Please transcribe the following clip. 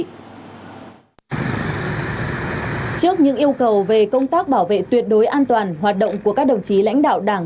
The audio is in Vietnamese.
trước những yêu cầu về công tác bảo vệ tuyệt đối an toàn hoạt động của các đồng chí lãnh đạo đảng